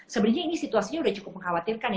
sebenarnya ini situasinya sudah cukup mengkhawatirkan ya